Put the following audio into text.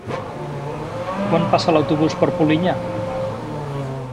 Quan passa l'autobús per Polinyà?